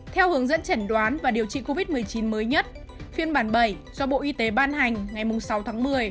theo hướng dẫn chẩn đoán và điều trị covid một mươi chín mới nhất phiên bản bảy do bộ y tế ban hành ngày sáu tháng một mươi